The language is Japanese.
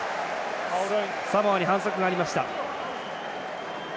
サモアに反則がありました。